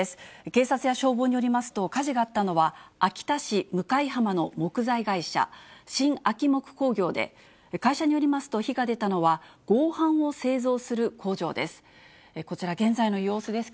警察や消防によりますと、火事があったのは、秋田市向浜の木材会社、新秋木工業で、会社によりますと火が出たのは合板を製造する工場です。